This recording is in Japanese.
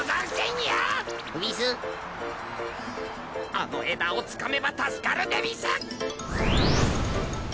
あの枝をつかめば助かるでうぃす。